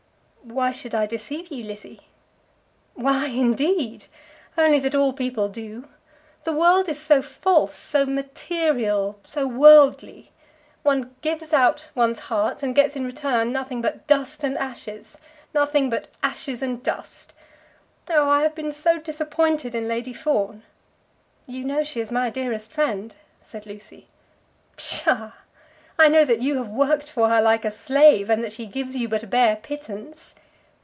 "Why should I deceive you, Lizzie?" "Why, indeed? only that all people do. The world is so false, so material, so worldly! One gives out one's heart and gets in return nothing but dust and ashes, nothing but ashes and dust. Oh, I have been so disappointed in Lady Fawn!" "You know she is my dearest friend," said Lucy. "Psha! I know that you have worked for her like a slave, and that she gives you but a bare pittance."